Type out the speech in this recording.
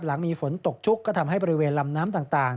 หลังมีฝนตกชุกก็ทำให้บริเวณลำน้ำต่าง